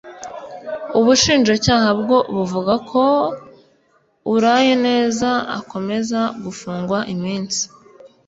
ubushinjacyaha bwo buvuga ko urayeneza akomeza gufungwa iminsi